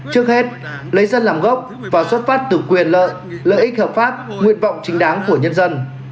trước hết lấy dân làm gốc và xuất phát từ quyền lợi lợi ích hợp pháp nguyện vọng chính đáng của nhân dân